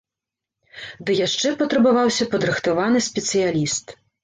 Ды яшчэ патрабаваўся падрыхтаваны спецыяліст.